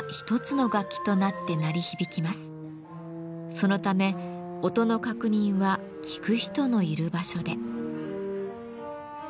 そのため音の確認は聴く人のいる場所で。